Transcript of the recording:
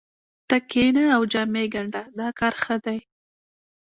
ته کښېنه او جامې ګنډه دا کار ښه دی